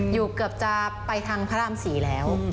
เกือบจะไปทางพระราม๔แล้ว